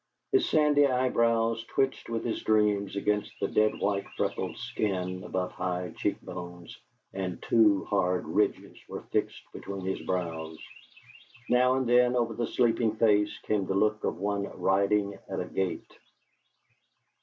His sandy eyebrows twitched with his dreams against the dead white, freckled skin above high cheekbones, and two hard ridges were fixed between his brows; now and then over the sleeping face came the look of one riding at a gate.